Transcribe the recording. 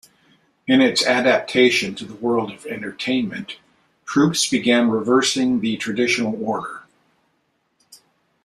In its adaptation to the world of entertainment, troupes began reversing the traditional order.